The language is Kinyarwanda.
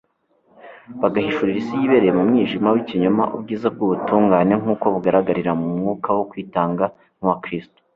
bagahishurira isi yibereye mu mwijima w'ikinyoma ubwiza bw'ubutungane nk'uko bugaragarira mu mwuka wo kwitanga nk'uwa kristo